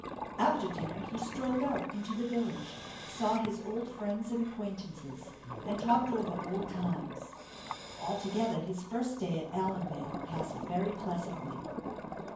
After dinner, he strolled out into the village, saw his old friends and acquaintances, and talked over old times. Altogether his first day at Allanbay passed very pleasantly.